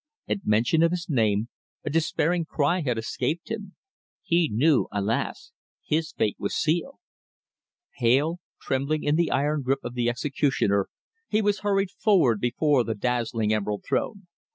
At mention of his name a despairing cry had escaped him. He knew, alas! his fate was sealed. Pale, trembling in the iron grip of the executioner, he was hurried forward before the dazzling Emerald Throne.